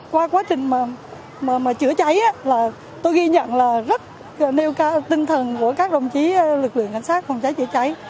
qua quá trình chữa cháy là tôi ghi nhận là rất nêu cao tinh thần của các đồng chí lực lượng cảnh sát phòng cháy chữa cháy